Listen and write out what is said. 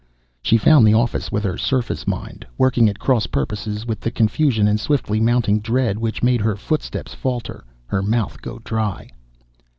She found the office with her surface mind, working at cross purposes with the confusion and swiftly mounting dread which made her footsteps falter, her mouth go dry.